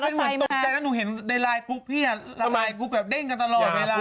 ก็เง่นแล้วหนูเห็นในไลน์กรุ๊ปพี่ลาไลน์ดริกแบบเดลงกันตลอด